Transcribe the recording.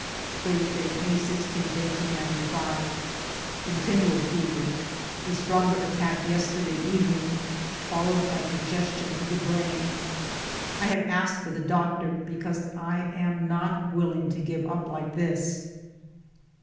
Thursday, May 16, 1895. Continual fever. A stronger attack yesterday evening, followed by congestion of the brain. I have asked for the doctor, because I am not willing to give up like this.